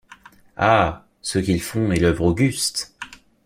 Ah! ce qu’ils font est l’œuvre auguste.